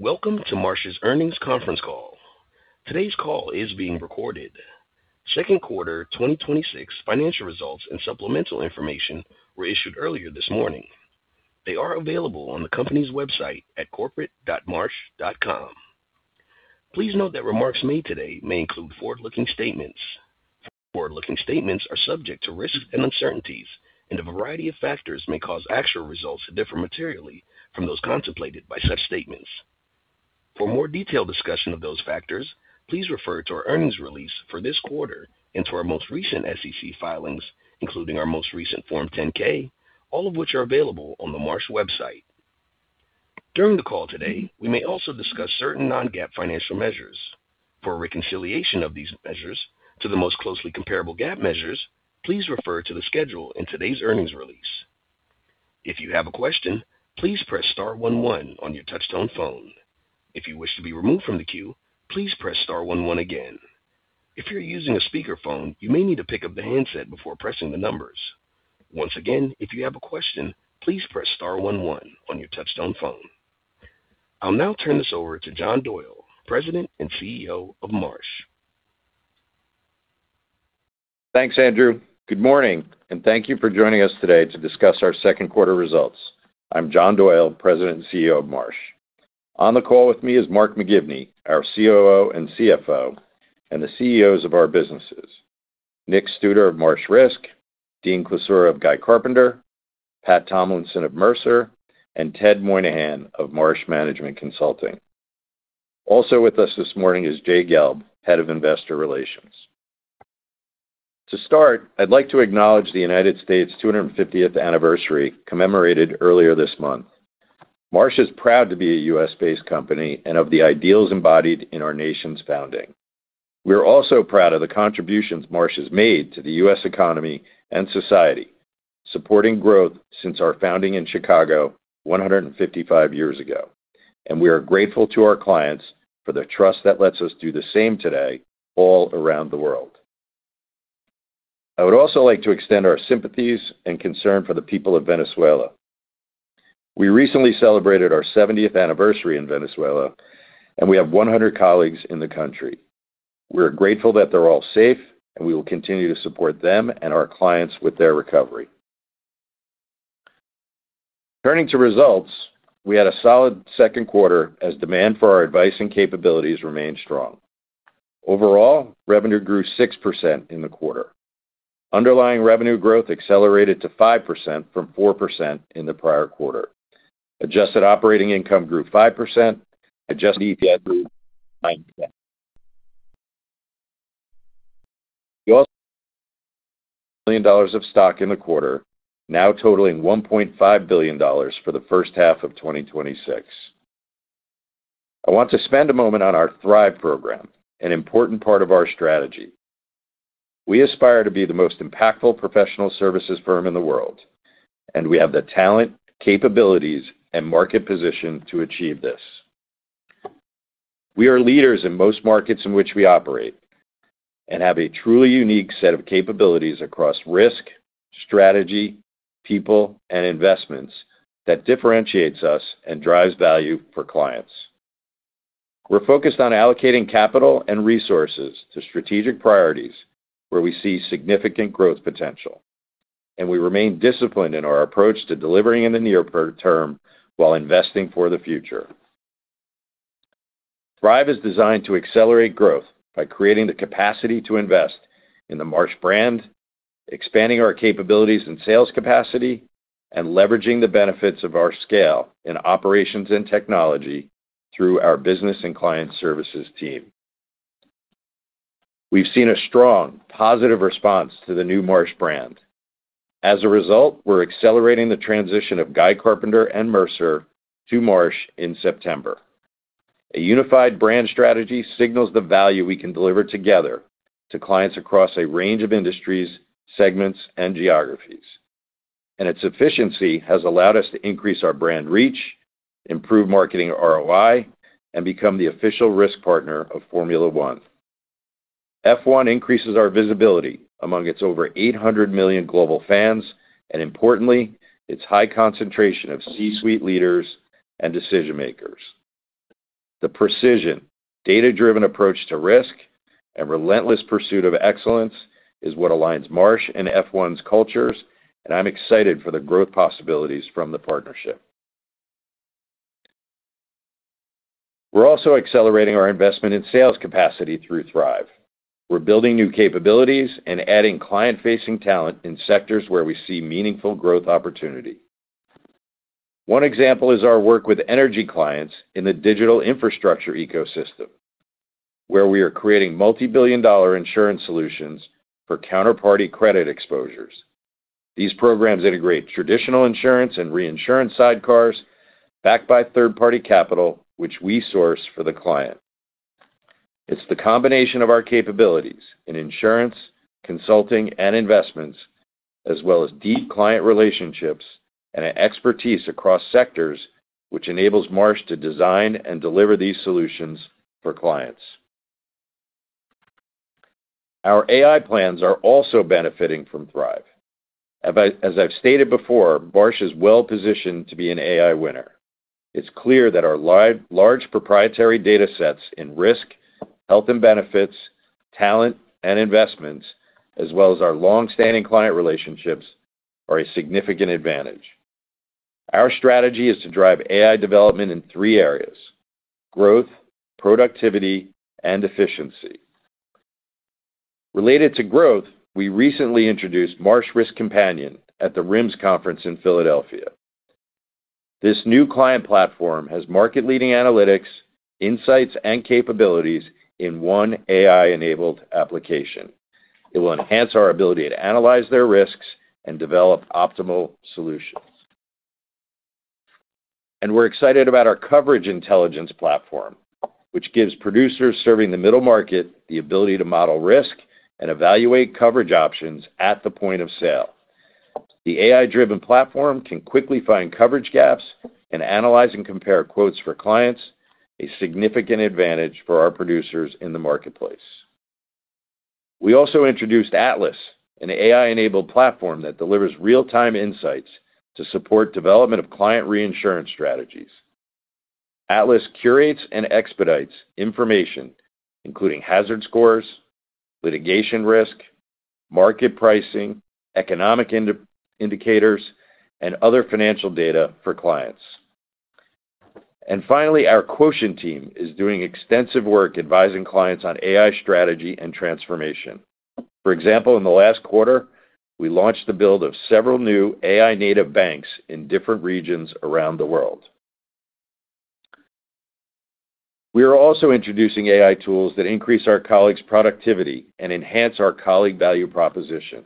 Welcome to Marsh's earnings conference call. Today's call is being recorded. Second quarter 2026 financial results and supplemental information were issued earlier this morning. They are available on the company's website at corporate.marsh.com. Please note that remarks made today may include forward-looking statements. Forward-looking statements are subject to risks and uncertainties, and a variety of factors may cause actual results to differ materially from those contemplated by such statements. For more detailed discussion of those factors, please refer to our earnings release for this quarter and to our most recent SEC filings, including our most recent Form 10-K, all of which are available on the Marsh website. During the call today, we may also discuss certain non-GAAP financial measures. For a reconciliation of these measures to the most closely comparable GAAP measures, please refer to the schedule in today's earnings release. If you have a question, please press star one one on your touch-tone phone. If you wish to be removed from the queue, please press star one one again. If you're using a speakerphone, you may need to pick up the handset before pressing the numbers. Once again, if you have a question, please press star one one on your touch-tone phone. I'll now turn this over to John Doyle, President and CEO of Marsh. Thanks, Andrew. Good morning, and thank you for joining us today to discuss our second quarter results. I'm John Doyle, President and CEO of Marsh. On the call with me is Mark McGivney, our COO and CFO, and the CEOs of our businesses, Nick Studer of Marsh Risk, Dean Klisura of Guy Carpenter, Pat Tomlinson of Mercer, and Ted Moynihan of Marsh Management Consulting. Also with us this morning is Jay Gelb, head of investor relations. To start, I'd like to acknowledge the United States 250th anniversary commemorated earlier this month. Marsh is proud to be a U.S.-based company and of the ideals embodied in our nation's founding. We are also proud of the contributions Marsh has made to the U.S. economy and society, supporting growth since our founding in Chicago 155 years ago, and we are grateful to our clients for their trust that lets us do the same today all around the world. I would also like to extend our sympathies and concern for the people of Venezuela. We recently celebrated our 70th anniversary in Venezuela, and we have 100 colleagues in the country. We are grateful that they're all safe, and we will continue to support them and our clients with their recovery. Turning to results, we had a solid second quarter as demand for our advice and capabilities remained strong. Overall, revenue grew 6% in the quarter. Underlying revenue growth accelerated to 5% from 4% in the prior quarter. Adjusted operating income grew 5%. Adjusted EPS grew 9%. We also repurchased $200 million of stock in the quarter, now totaling $1.5 billion for the first half of 2026. I want to spend a moment on our Thrive program, an important part of our strategy. We aspire to be the most impactful professional services firm in the world. We have the talent, capabilities, and market position to achieve this. We are leaders in most markets in which we operate and have a truly unique set of capabilities across risk, strategy, people, and investments that differentiates us and drives value for clients. We're focused on allocating capital and resources to strategic priorities where we see significant growth potential. We remain disciplined in our approach to delivering in the near term while investing for the future. Thrive is designed to accelerate growth by creating the capacity to invest in the Marsh brand, expanding our capabilities and sales capacity, and leveraging the benefits of our scale in operations and technology through our business and client services team. We've seen a strong, positive response to the new Marsh brand. As a result, we're accelerating the transition of Guy Carpenter and Mercer to Marsh in September. A unified brand strategy signals the value we can deliver together to clients across a range of industries, segments, and geographies. Its efficiency has allowed us to increase our brand reach, improve marketing ROI, and become the official risk partner of Formula 1. F1 increases our visibility among its over 800 million global fans, importantly, its high concentration of C-suite leaders and decision-makers. The precision, data-driven approach to risk, relentless pursuit of excellence is what aligns Marsh and F1's cultures. I'm excited for the growth possibilities from the partnership. We're also accelerating our investment in sales capacity through Thrive. We're building new capabilities and adding client-facing talent in sectors where we see meaningful growth opportunity. One example is our work with energy clients in the digital infrastructure ecosystem, where we are creating multibillion-dollar insurance solutions for counterparty credit exposures. These programs integrate traditional insurance and reinsurance sidecars backed by third-party capital, which we source for the client. It's the combination of our capabilities in insurance, consulting, and investments, as well as deep client relationships and an expertise across sectors, which enables Marsh to design and deliver these solutions for clients. Our AI plans are also benefiting from Thrive. As I've stated before, Marsh is well-positioned to be an AI winner. It's clear that our large proprietary data sets in risk, health and benefits, talent, and investments, as well as our longstanding client relationships are a significant advantage. Our strategy is to drive AI development in three areas: growth, productivity, and efficiency. Related to growth, we recently introduced Marsh Risk Companion at the RIMS Conference in Philadelphia. This new client platform has market-leading analytics, insights, and capabilities in one AI-enabled application. It will enhance our ability to analyze their risks and develop optimal solutions. We're excited about our coverage intelligence platform, which gives producers serving the middle market the ability to model risk and evaluate coverage options at the point of sale. The AI-driven platform can quickly find coverage gaps and analyze and compare quotes for clients, a significant advantage for our producers in the marketplace. We also introduced Atlas, an AI-enabled platform that delivers real-time insights to support development of client reinsurance strategies. Atlas curates and expedites information, including hazard scores, litigation risk, market pricing, economic indicators, and other financial data for clients. Finally, our Quotient team is doing extensive work advising clients on AI strategy and transformation. For example, in the last quarter, we launched the build of several new AI-native banks in different regions around the world. We are also introducing AI tools that increase our colleagues' productivity and enhance our colleague value proposition.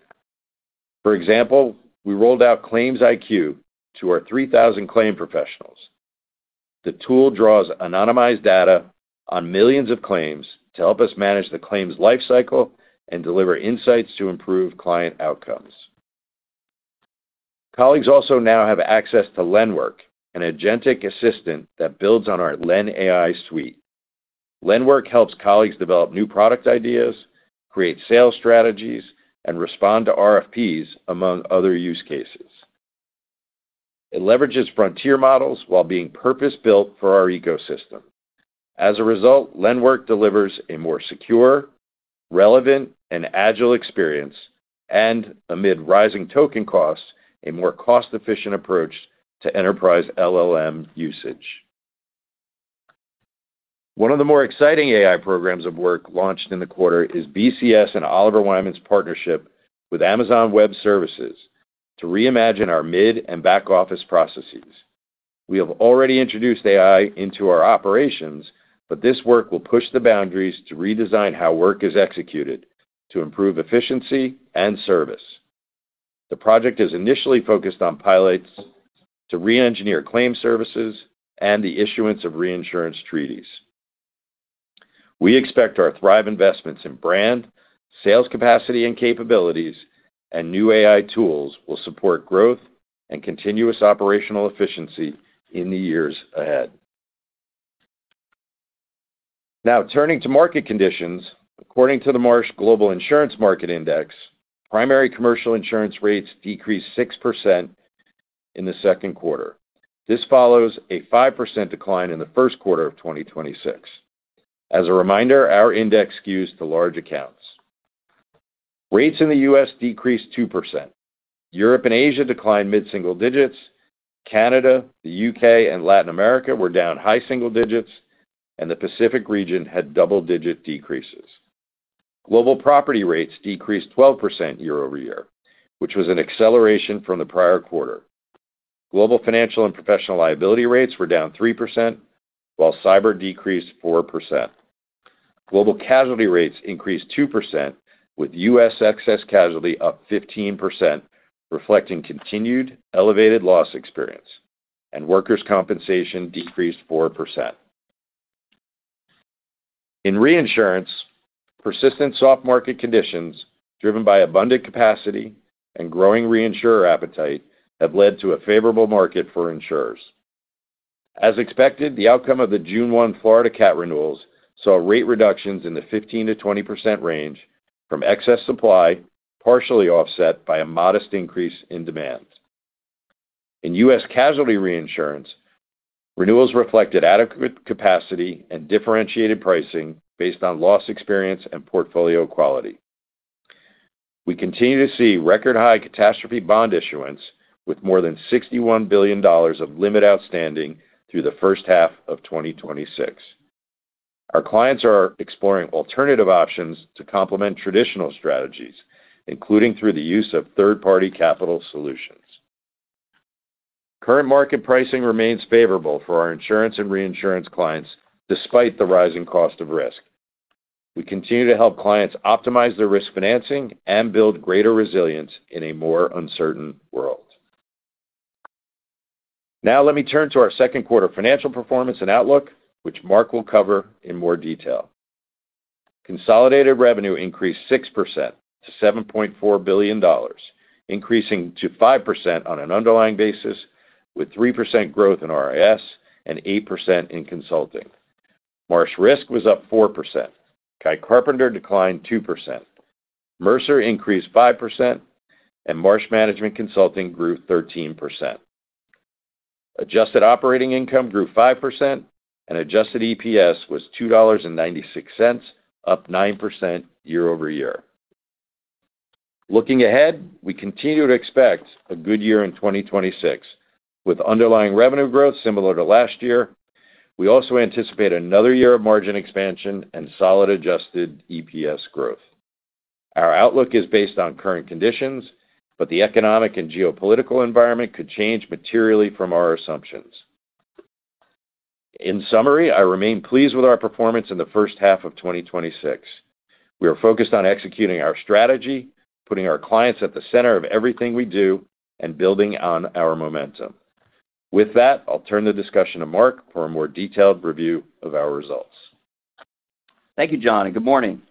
For example, we rolled out Claims IQ to our 3,000 claim professionals. The tool draws anonymized data on millions of claims to help us manage the claims life cycle and deliver insights to improve client outcomes. Colleagues also now have access to Lenwork, an agentic assistant that builds on our LenAI suite. Lenwork helps colleagues develop new product ideas, create sales strategies, and respond to RFPs, among other use cases. It leverages frontier models while being purpose-built for our ecosystem. As a result, Lenwork delivers a more secure, relevant, and agile experience, and amid rising token costs, a more cost-efficient approach to enterprise LLM usage. One of the more exciting AI programs of work launched in the quarter is BCS and Oliver Wyman's partnership with Amazon Web Services to reimagine our mid and back-office processes. We have already introduced AI into our operations, but this work will push the boundaries to redesign how work is executed to improve efficiency and service. The project is initially focused on pilots to re-engineer claim services and the issuance of reinsurance treaties. We expect our Thrive investments in brand, sales capacity and capabilities, and new AI tools will support growth and continuous operational efficiency in the years ahead. Now turning to market conditions. According to the Marsh Global Insurance Market Index, primary commercial insurance rates decreased 6% in the second quarter. This follows a 5% decline in the first quarter of 2026. As a reminder, our index skews to large accounts. Rates in the U.S. decreased 2%. Europe and Asia declined mid-single digits. Canada, the U.K., and Latin America were down high single digits, and the Pacific region had double-digit decreases. Global property rates decreased 12% year-over-year, which was an acceleration from the prior quarter. Global financial and professional liability rates were down 3%, while cyber decreased 4%. Global casualty rates increased 2%, with U.S. excess casualty up 15%, reflecting continued elevated loss experience, and workers' compensation decreased 4%. In reinsurance, persistent soft market conditions driven by abundant capacity and growing reinsurer appetite have led to a favorable market for insurers. As expected, the outcome of the June 1 Florida cat renewals saw rate reductions in the 15%-20% range from excess supply, partially offset by a modest increase in demand. In U.S. casualty reinsurance, renewals reflected adequate capacity and differentiated pricing based on loss experience and portfolio quality. We continue to see record-high catastrophe bond issuance with more than $61 billion of limit outstanding through the first half of 2026. Our clients are exploring alternative options to complement traditional strategies, including through the use of third-party capital solutions. Current market pricing remains favorable for our insurance and reinsurance clients, despite the rising cost of risk. We continue to help clients optimize their risk financing and build greater resilience in a more uncertain world. Let me turn to our second quarter financial performance and outlook, which Mark will cover in more detail. Consolidated revenue increased 6% to $7.4 billion, increasing to 5% on an underlying basis with 3% growth in RIS and 8% in consulting. Marsh Risk was up 4%. Guy Carpenter declined 2%. Mercer increased 5%, and Marsh Management Consulting grew 13%. Adjusted operating income grew 5%, and adjusted EPS was $2.96, up 9% year-over-year. Looking ahead, we continue to expect a good year in 2026 with underlying revenue growth similar to last year. We also anticipate another year of margin expansion and solid adjusted EPS growth. Our outlook is based on current conditions, but the economic and geopolitical environment could change materially from our assumptions. In summary, I remain pleased with our performance in the first half of 2026. We are focused on executing our strategy, putting our clients at the center of everything we do, and building on our momentum. With that, I'll turn the discussion to Mark for a more detailed review of our results. Thank you, John, and good morning.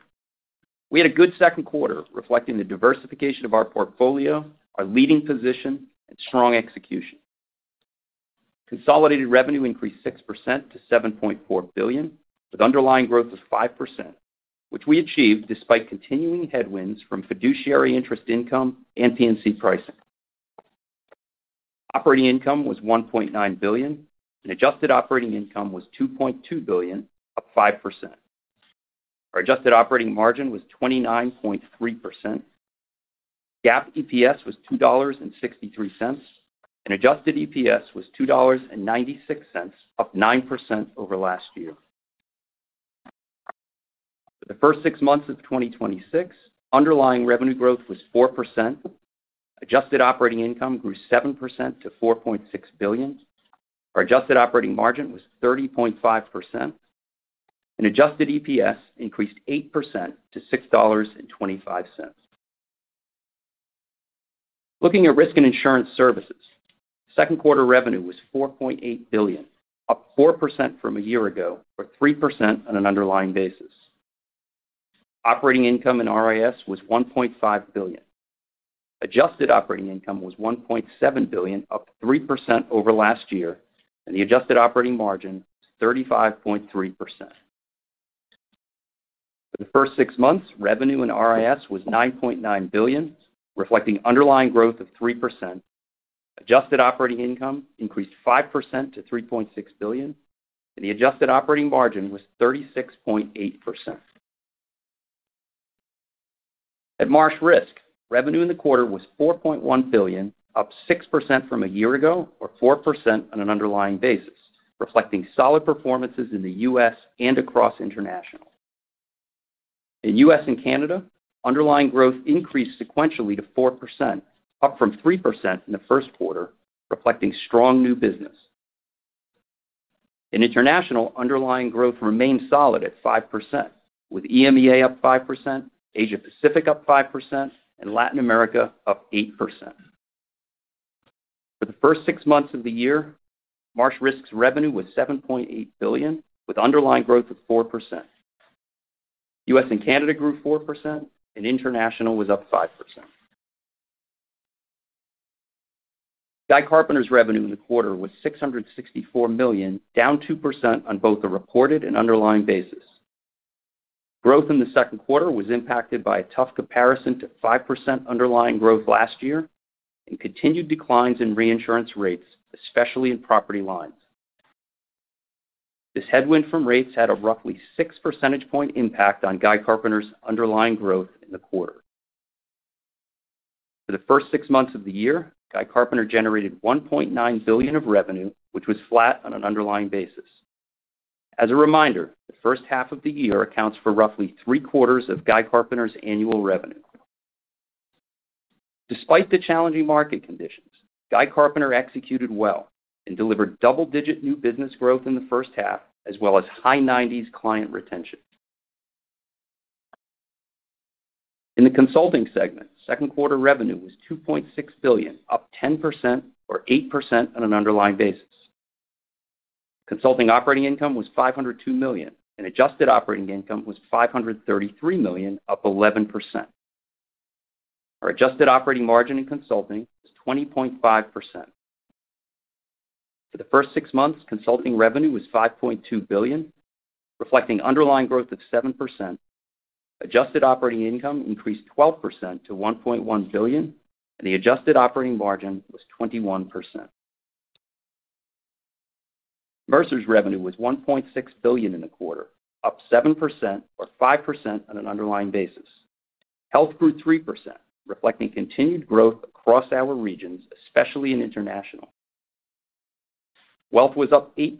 We had a good second quarter reflecting the diversification of our portfolio, our leading position and strong execution. Consolidated revenue increased 6% to $7.4 billion, with underlying growth of 5%, which we achieved despite continuing headwinds from fiduciary interest income and P&C pricing. Operating income was $1.9 billion, and adjusted operating income was $2.2 billion, up 5%. Our adjusted operating margin was 29.3%. GAAP EPS was $2.63, and adjusted EPS was $2.96, up 9% over last year. For the first six months of 2026, underlying revenue growth was 4%. Adjusted operating income grew 7% to $4.6 billion. Our adjusted operating margin was 30.5%, and adjusted EPS increased 8% to $6.25. Looking at risk and insurance services, second quarter revenue was $4.8 billion, up 4% from a year ago, or 3% on an underlying basis. Operating income in RIS was $1.5 billion. Adjusted operating income was $1.7 billion, up 3% over last year, and the adjusted operating margin was 35.3%. For the first six months, revenue in RIS was $9.9 billion, reflecting underlying growth of 3%. Adjusted operating income increased 5% to $3.6 billion, and the adjusted operating margin was 36.8%. At Marsh Risk, revenue in the quarter was $4.1 billion, up 6% from a year ago, or 4% on an underlying basis, reflecting solid performances in the U.S. and across international. In U.S. and Canada, underlying growth increased sequentially to 4%, up from 3% in the first quarter, reflecting strong new business. In international, underlying growth remained solid at 5%, with EMEA up 5%, Asia-Pacific up 5%, and Latin America up 8%. For the first six months of the year, Marsh Risk's revenue was $7.8 billion, with underlying growth of 4%. U.S. and Canada grew 4%, and international was up 5%. Guy Carpenter's revenue in the quarter was $664 million, down 2% on both a reported and underlying basis. Growth in the second quarter was impacted by a tough comparison to 5% underlying growth last year and continued declines in reinsurance rates, especially in property lines. This headwind from rates had a roughly six percentage point impact on Guy Carpenter's underlying growth in the quarter. For the first six months of the year, Guy Carpenter generated $1.9 billion of revenue, which was flat on an underlying basis. As a reminder, the first half of the year accounts for roughly three-quarters of Guy Carpenter's annual revenue. Despite the challenging market conditions, Guy Carpenter executed well and delivered double-digit new business growth in the first half, as well as high 90s client retention. In the consulting segment, second quarter revenue was $2.6 billion, up 10%, or 8% on an underlying basis. Consulting operating income was $502 million, and adjusted operating income was $533 million, up 11%. Our adjusted operating margin in consulting was 20.5%. For the first six months, consulting revenue was $5.2 billion, reflecting underlying growth of 7%. Adjusted operating income increased 12% to $1.1 billion, and the adjusted operating margin was 21%. Mercer's revenue was $1.6 billion in the quarter, up 7%, or 5% on an underlying basis. Health grew 3%, reflecting continued growth across our regions, especially in international. Wealth was up 8%,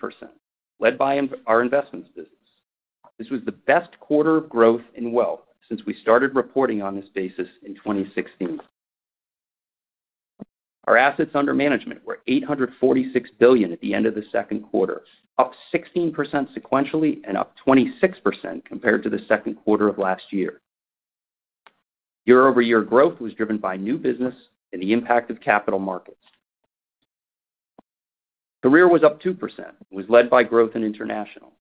led by our investments business. This was the best quarter of growth in wealth since we started reporting on this basis in 2016. Our assets under management were $846 billion at the end of the second quarter, up 16% sequentially and up 26% compared to the second quarter of last year. Year-over-year growth was driven by new business and the impact of capital markets. Career was up 2% and was led by growth in international.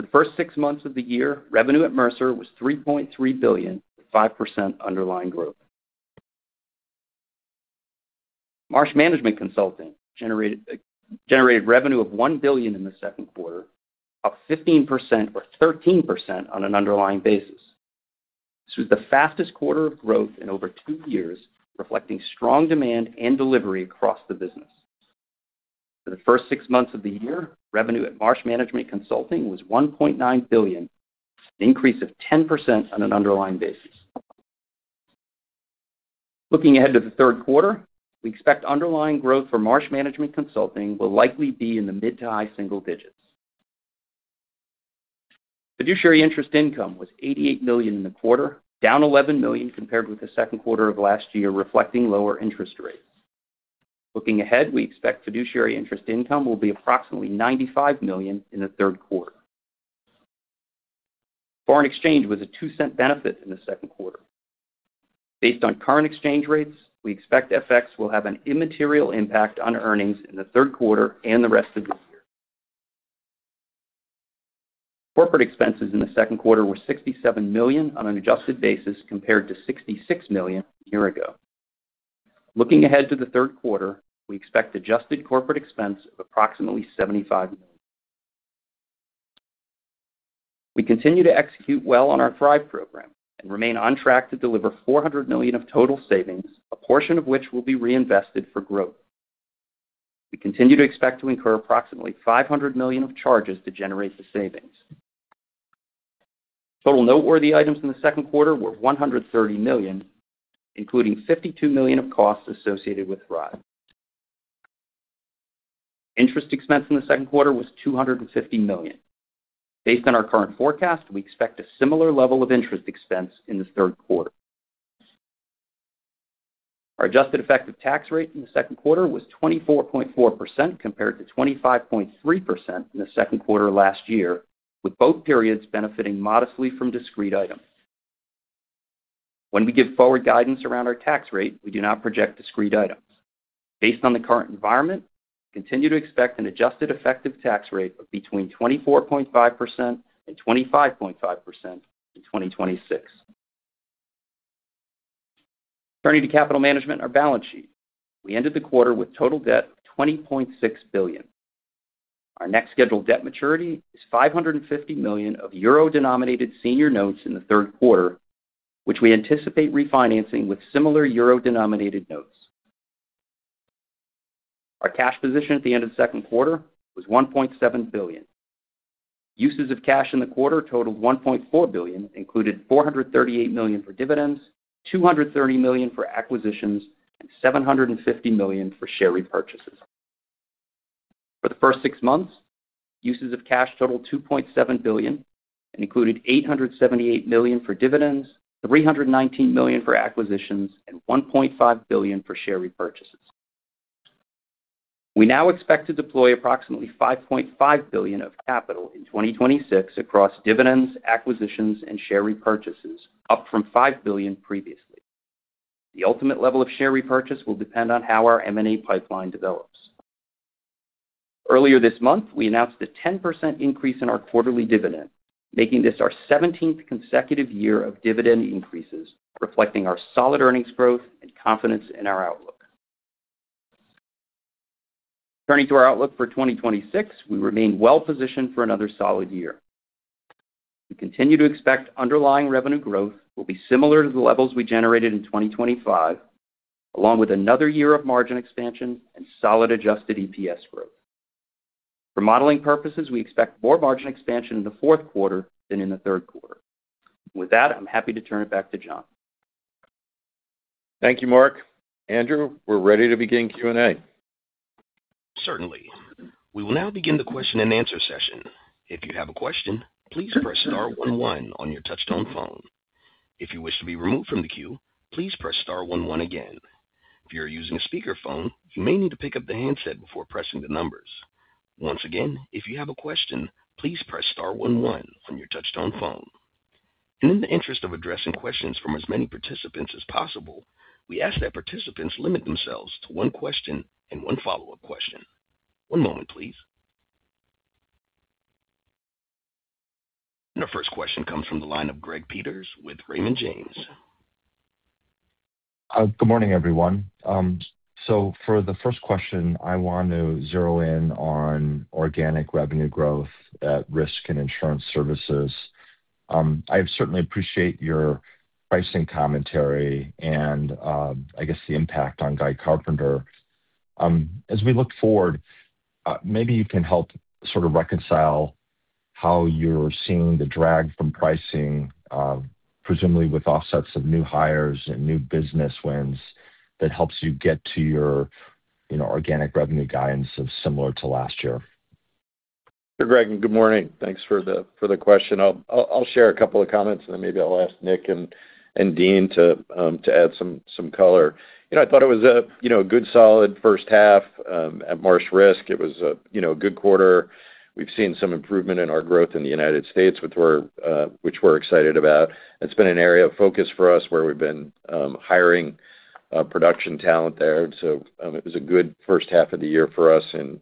For the first six months of the year, revenue at Mercer was $3.3 billion, 5% underlying growth. Marsh Management Consulting generated revenue of $1 billion in the second quarter, up 15%, or 13% on an underlying basis. This was the fastest quarter of growth in over two years, reflecting strong demand and delivery across the business. For the first six months of the year, revenue at Marsh Management Consulting was $1.9 billion, an increase of 10% on an underlying basis. Looking ahead to the third quarter, we expect underlying growth for Marsh Management Consulting will likely be in the mid to high single digits. Fiduciary interest income was $88 million in the quarter, down $11 million compared with the second quarter of last year, reflecting lower interest rates. Looking ahead, we expect fiduciary interest income will be approximately $95 million in the third quarter. Foreign exchange was a $0.02 benefit in the second quarter. Based on current exchange rates, we expect FX will have an immaterial impact on earnings in the third quarter and the rest of the year. Corporate expenses in the second quarter were $67 million on an adjusted basis, compared to $66 million a year ago. Looking ahead to the third quarter, we expect adjusted corporate expense of approximately $75 million. We continue to execute well on our Thrive program and remain on track to deliver $400 million of total savings, a portion of which will be reinvested for growth. We continue to expect to incur approximately $500 million of charges to generate the savings. Total noteworthy items in the second quarter were $130 million, including $52 million of costs associated with Thrive. Interest expense in the second quarter was $250 million. Based on our current forecast, we expect a similar level of interest expense in the third quarter. Our adjusted effective tax rate in the second quarter was 24.4% compared to 25.3% in the second quarter last year, with both periods benefiting modestly from discrete items. When we give forward guidance around our tax rate, we do not project discrete items. Based on the current environment, we continue to expect an adjusted effective tax rate of between 24.5% and 25.5% in 2026. Turning to capital management and our balance sheet. We ended the quarter with total debt of $20.6 billion. Our next scheduled debt maturity is $550 million of euro-denominated senior notes in the third quarter, which we anticipate refinancing with similar euro-denominated notes. Our cash position at the end of the second quarter was $1.7 billion. Uses of cash in the quarter totaled $1.4 billion, included $438 million for dividends, $230 million for acquisitions, and $750 million for share repurchases. For the first six months, uses of cash totaled $2.7 billion and included $878 million for dividends, $319 million for acquisitions, and $1.5 billion for share repurchases. We now expect to deploy approximately $5.5 billion of capital in 2026 across dividends, acquisitions, and share repurchases, up from $5 billion previously. The ultimate level of share repurchase will depend on how our M&A pipeline develops. Earlier this month, we announced a 10% increase in our quarterly dividend, making this our 17th consecutive year of dividend increases, reflecting our solid earnings growth and confidence in our outlook. Turning to our outlook for 2026, we remain well-positioned for another solid year. We continue to expect underlying revenue growth will be similar to the levels we generated in 2025, along with another year of margin expansion and solid adjusted EPS growth. For modeling purposes, we expect more margin expansion in the fourth quarter than in the third quarter. With that, I'm happy to turn it back to John. Thank you, Mark. Andrew, we're ready to begin Q&A. Certainly. We will now begin the question and answer session. If you have a question, please press star one one on your touchtone phone. If you wish to be removed from the queue, please press star one one again. If you are using a speakerphone, you may need to pick up the handset before pressing the numbers. Once again, if you have a question, please press star one one on your touchtone phone. In the interest of addressing questions from as many participants as possible, we ask that participants limit themselves to one question and one follow-up question. One moment please. Our first question comes from the line of Greg Peters with Raymond James. Good morning, everyone. For the first question, I want to zero in on organic revenue growth at risk and insurance services. I certainly appreciate your pricing commentary and I guess the impact on Guy Carpenter. As we look forward, maybe you can help sort of reconcile how you're seeing the drag from pricing, presumably with offsets of new hires and new business wins that helps you get to your organic revenue guidance of similar to last year. Sure, Greg. Good morning. Thanks for the question. I'll share a couple of comments and then maybe I'll ask Nick and Dean to add some color. I thought it was a good, solid first half at Marsh Risk. It was a good quarter. We've seen some improvement in our growth in the United States, which we're excited about. It's been an area of focus for us where we've been hiring production talent there. So it was a good first half of the year for us in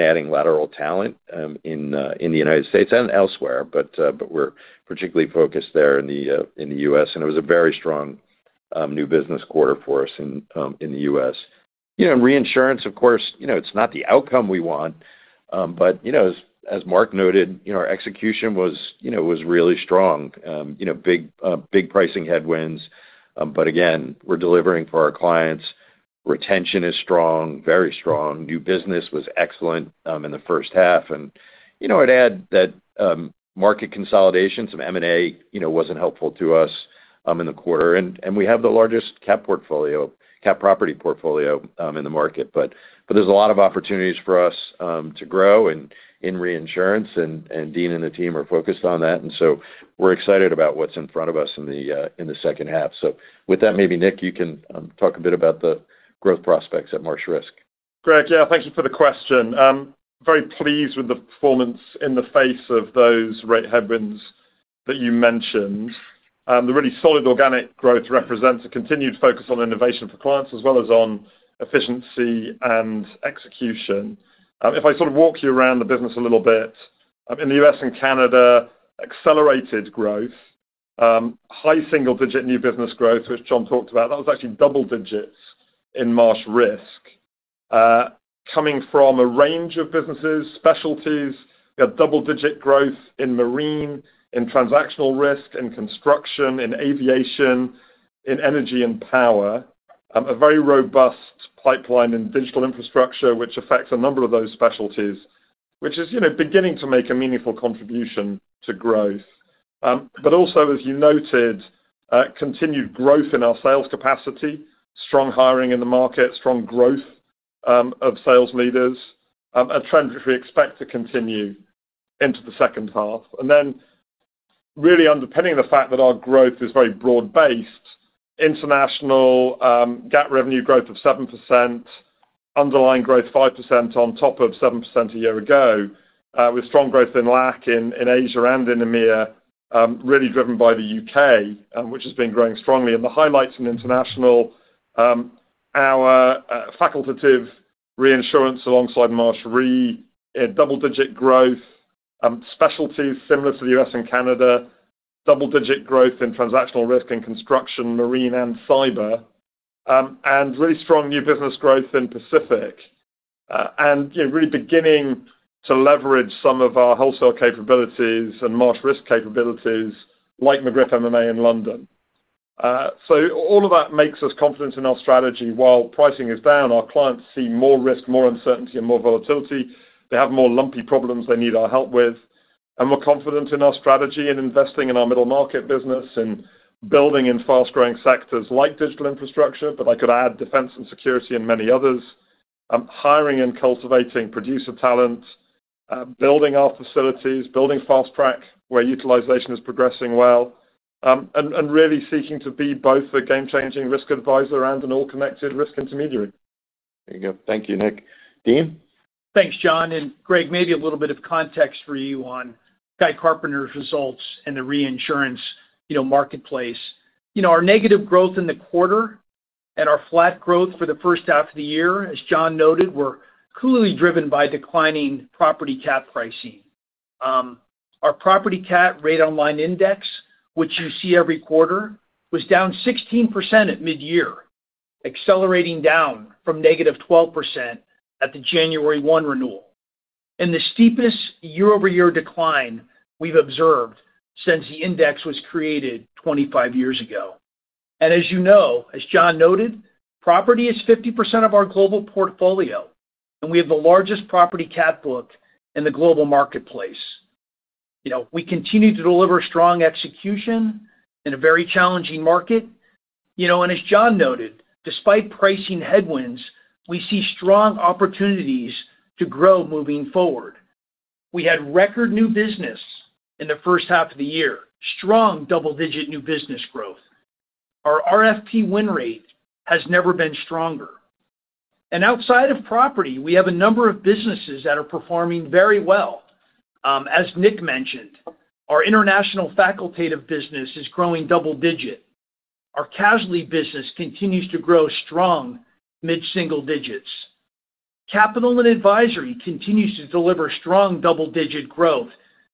adding lateral talent in the United States and elsewhere, but we're particularly focused there in the U.S., and it was a very strong new business quarter for us in the U.S. In reinsurance, of course, it's not the outcome we want. As Mark noted, our execution was really strong. Big pricing headwinds, but again, we're delivering for our clients. Retention is strong, very strong. New business was excellent in the first half. I'd add that market consolidation, some M&A, wasn't helpful to us in the quarter. We have the largest cat portfolio, cat property portfolio in the market. There's a lot of opportunities for us to grow in reinsurance, and Dean and the team are focused on that. We're excited about what's in front of us in the second half. With that, maybe Nick, you can talk a bit about the growth prospects at Marsh Risk. Greg, thank you for the question. Very pleased with the performance in the face of those rate headwinds that you mentioned. The really solid organic growth represents a continued focus on innovation for clients as well as on efficiency and execution. If I sort of walk you around the business a little bit, in the U.S. and Canada, accelerated growth. High single-digit new business growth, which John talked about. That was actually double digits in Marsh Risk. Coming from a range of businesses, specialties, we had double-digit growth in marine, in transactional risk, in construction, in aviation, in energy and power. A very robust pipeline in digital infrastructure, which affects a number of those specialties, which is beginning to make a meaningful contribution to growth. Also, as you noted, continued growth in our sales capacity, strong hiring in the market, strong growth of sales leaders, a trend which we expect to continue into the second half. Then really underpinning the fact that our growth is very broad-based, international GAAP revenue growth of 7%, underlying growth 5% on top of 7% a year ago, with strong growth in LAC, in Asia, and in EMEA, really driven by the U.K., which has been growing strongly. The highlights in international, our facultative reinsurance alongside Marsh Re, double-digit growth. Specialties similar to the U.S. and Canada, double-digit growth in transactional risk in construction, marine, and cyber. Really strong new business growth in Pacific. Really beginning to leverage some of our wholesale capabilities and Marsh Risk capabilities like McGriff MMA in London. All of that makes us confident in our strategy. While pricing is down, our clients see more risk, more uncertainty, and more volatility. They have more lumpy problems they need our help with. We're confident in our strategy in investing in our middle market business and building in fast-growing sectors like digital infrastructure, I could add defense and security, and many others. Hiring and cultivating producer talent, building our facilities, building Fast Track where utilization is progressing well, really seeking to be both a game-changing risk advisor and an all-connected risk intermediary. There you go. Thank you, Nick. Dean? Thanks, John. Greg, maybe a little bit of context for you on Guy Carpenter's results in the reinsurance marketplace. Our negative growth in the quarter and our flat growth for the first half of the year, as John noted, were clearly driven by declining property cat pricing. Our property cat rate on line index, which you see every quarter, was down 16% at midyear, accelerating down from -12% at the January 1 renewal. In the steepest year-over-year decline we've observed since the index was created 25 years ago. As you know, as John noted, property is 50% of our global portfolio, and we have the largest property cat book in the global marketplace. We continue to deliver strong execution in a very challenging market. As John noted, despite pricing headwinds, we see strong opportunities to grow moving forward. We had record new business in the first half of the year, strong double-digit new business growth. Our RFP win rate has never been stronger. Outside of property, we have a number of businesses that are performing very well. As Nick mentioned, our international facultative business is growing double digits. Our casualty business continues to grow strong mid-single digits. Capital and advisory continues to deliver strong double-digit growth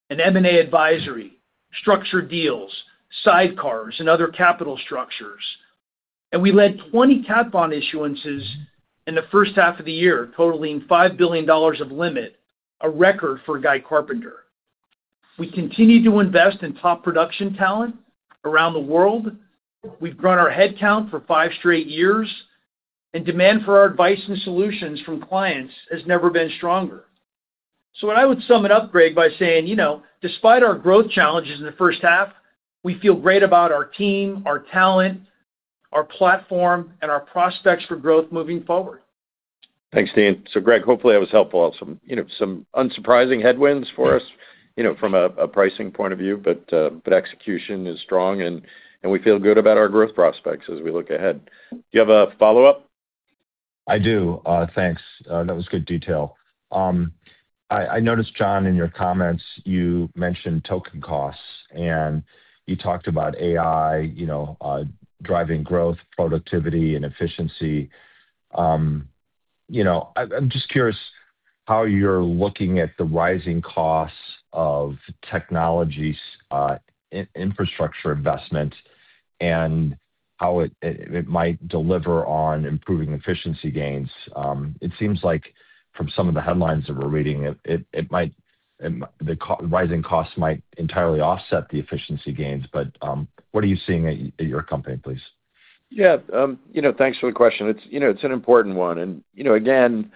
in M&A advisory, structured deals, sidecars, and other capital structures. We led 20 cat bond issuances in the first half of the year, totaling $5 billion of limit, a record for Guy Carpenter. We continue to invest in top production talent around the world. We've grown our headcount for five straight years, and demand for our advice and solutions from clients has never been stronger. What I would sum it up, Greg, by saying, despite our growth challenges in the first half, we feel great about our team, our talent, our platform, and our prospects for growth moving forward. Thanks, Dean. Greg, hopefully that was helpful. Some unsurprising headwinds for us from a pricing point of view, execution is strong, and we feel good about our growth prospects as we look ahead. Do you have a follow-up? I do. Thanks. That was good detail. I noticed, John, in your comments you mentioned token costs, and you talked about AI driving growth, productivity, and efficiency. I'm just curious how you're looking at the rising costs of technology infrastructure investment and how it might deliver on improving efficiency gains. It seems like from some of the headlines that we're reading, the rising costs might entirely offset the efficiency gains. What are you seeing at your company, please? Yeah. Thanks for the question. It's an important one. Again,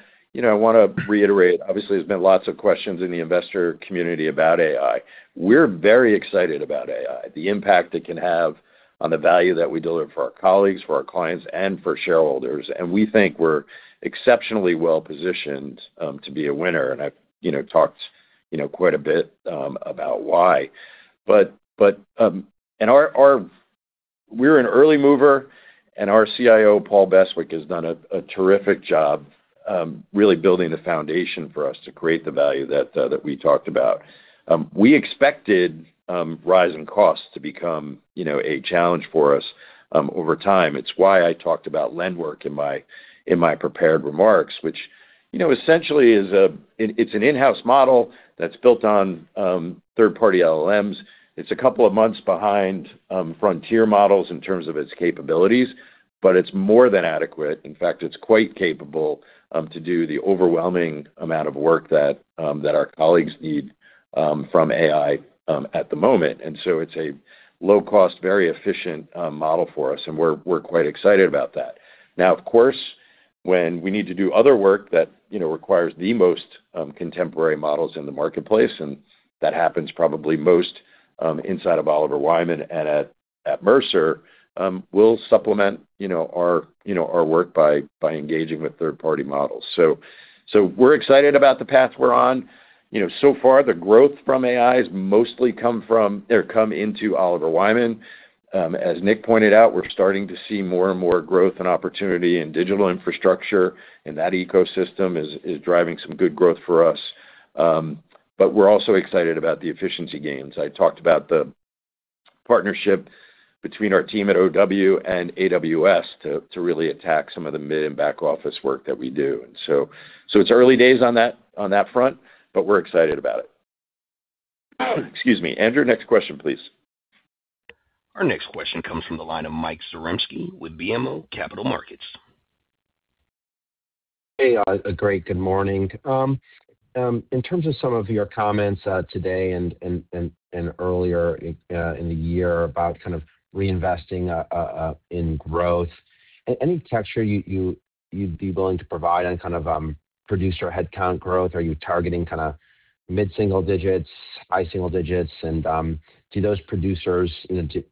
I want to reiterate, obviously, there's been lots of questions in the investor community about AI. We're very excited about AI, the impact it can have on the value that we deliver for our colleagues, for our clients, and for shareholders. We think we're exceptionally well-positioned to be a winner, and I've talked quite a bit about why. We're an early mover, and our CIO, Paul Beswick, has done a terrific job really building the foundation for us to create the value that we talked about. We expected rising costs to become a challenge for us over time. It's why I talked about LenWork in my prepared remarks, which essentially it's an in-house model that's built on third-party LLMs. It's a couple of months behind frontier models in terms of its capabilities, but it's more than adequate. In fact, it's quite capable to do the overwhelming amount of work that our colleagues need from AI at the moment. It's a low cost, very efficient model for us, and we're quite excited about that. Now, of course, when we need to do other work that requires the most contemporary models in the marketplace, and that happens probably most inside of Oliver Wyman and at Mercer, we'll supplement our work by engaging with third-party models. We're excited about the path we're on. So far, the growth from AI has mostly come into Oliver Wyman. As Nick pointed out, we're starting to see more and more growth and opportunity in digital infrastructure, and that ecosystem is driving some good growth for us. We're also excited about the efficiency gains. I talked about the partnership between our team at OW and AWS to really attack some of the mid and back office work that we do. It's early days on that front, but we're excited about it. Excuse me. Andrew, next question, please. Our next question comes from the line of Mike Zaremski with BMO Capital Markets. Hey. A great good morning. In terms of some of your comments today and earlier in the year about kind of reinvesting in growth, any texture you'd be willing to provide on kind of producer headcount growth? Are you targeting mid-single digits, high single digits? Do those producers,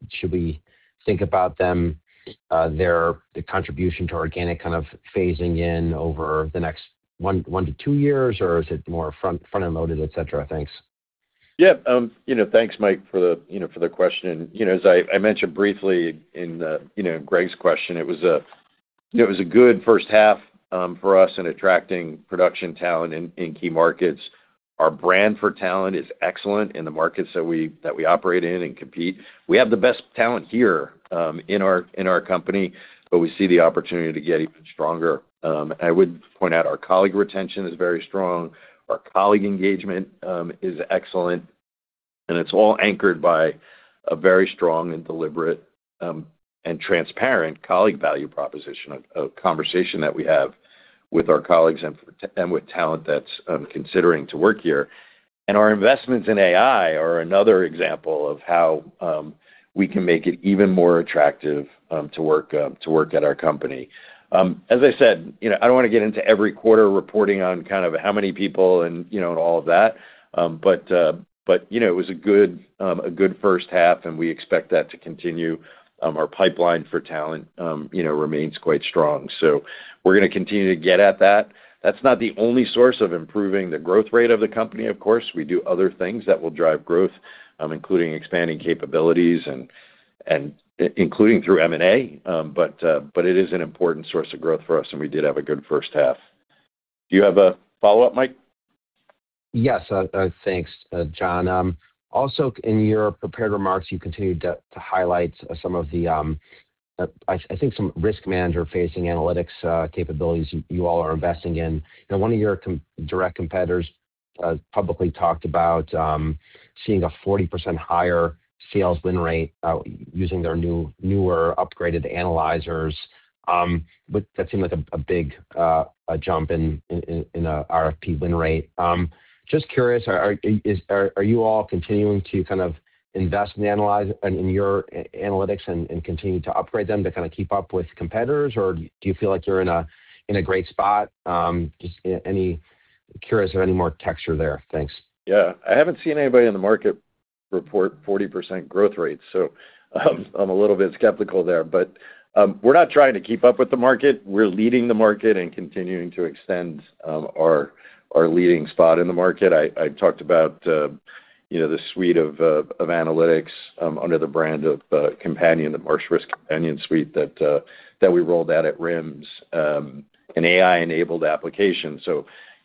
should we think about their contribution to organic kind of phasing in over the next one to two years, or is it more front-end loaded, et cetera? Thanks. Yeah. Thanks, Mike, for the question. As I mentioned briefly in Greg's question, it was a good first half for us in attracting production talent in key markets. Our brand for talent is excellent in the markets that we operate in and compete. We have the best talent here in our company, but we see the opportunity to get even stronger. I would point out our colleague retention is very strong, our colleague engagement is excellent, and it's all anchored by a very strong and deliberate and transparent colleague value proposition, a conversation that we have with our colleagues and with talent that's considering to work here. Our investments in AI are another example of how we can make it even more attractive to work at our company. As I said, I don't want to get into every quarter reporting on kind of how many people and all of that. It was a good first half, and we expect that to continue. Our pipeline for talent remains quite strong. We're going to continue to get at that. That's not the only source of improving the growth rate of the company, of course. We do other things that will drive growth, including expanding capabilities and including through M&A. It is an important source of growth for us, and we did have a good first half. Do you have a follow-up, Mike? Yes. Thanks, John. In your prepared remarks, you continued to highlight I think some risk manager facing analytics capabilities you all are investing in. One of your direct competitors publicly talked about seeing a 40% higher sales win rate using their newer upgraded analyzers. That seemed like a big jump in RFP win rate. Just curious, are you all continuing to kind of invest in your analytics and continue to upgrade them to kind of keep up with competitors? Or do you feel like you're in a great spot? Just curious if any more texture there. Thanks. Yeah. I haven't seen anybody in the market report 40% growth rates. I'm a little bit skeptical there, but we're not trying to keep up with the market. We're leading the market and continuing to extend our leading spot in the market. I talked about the suite of analytics under the brand of Companion, the Marsh Risk Companion suite that we rolled out at RIMS, an AI-enabled application.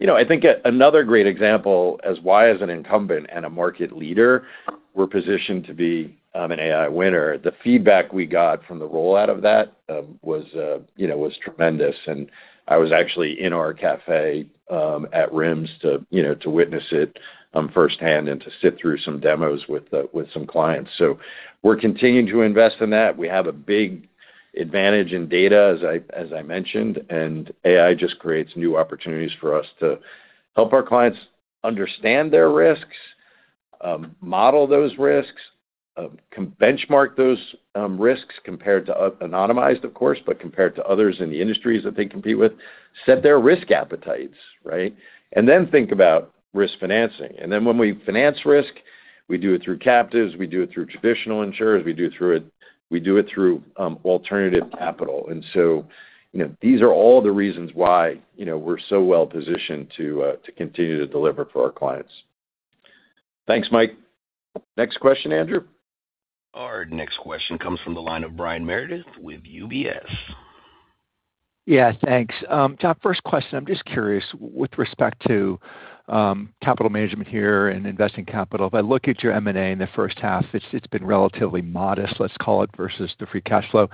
I think another great example as why as an incumbent and a market leader, we're positioned to be an AI winner. The feedback we got from the rollout of that was tremendous, and I was actually in our cafe at RIMS to witness it firsthand and to sit through some demos with some clients. We're continuing to invest in that. We have a big advantage in data, as I mentioned, AI just creates new opportunities for us to help our clients understand their risks, model those risks, benchmark those risks compared to, anonymized of course, but compared to others in the industries that they compete with. Set their risk appetites, right? Then think about risk financing. When we finance risk, we do it through captives, we do it through traditional insurers, we do it through alternative capital. These are all the reasons why we're so well-positioned to continue to deliver for our clients. Thanks, Mike. Next question, Andrew? Our next question comes from the line of Brian Meredith with UBS. Yeah, thanks. John, first question. I'm just curious, with respect to capital management here and investing capital, if I look at your M&A in the first half, it's been relatively modest, let's call it, versus the free cash flow.